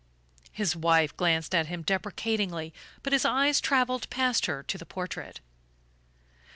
His wife glanced at him deprecatingly, but his eyes travelled past her to the portrait.